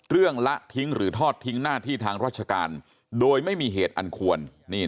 ละทิ้งหรือทอดทิ้งหน้าที่ทางราชการโดยไม่มีเหตุอันควร